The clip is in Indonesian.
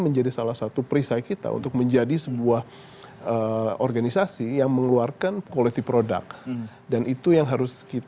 untuk paper fair